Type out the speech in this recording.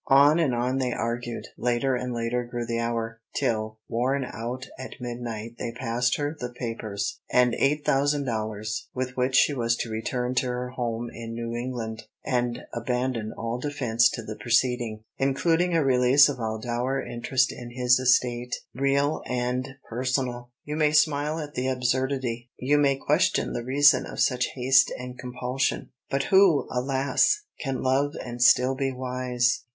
On and on they argued, later and later grew the hour, till, worn out at midnight they passed her the papers, and eight thousand dollars, with which she was to return to her home in New England, and abandon all defense to the proceeding, including a release of all dower interest in his estate, real and personal. You may smile at the absurdity, you may question the reason of such haste and compulsion. "But who, alas! can love and still be wise?"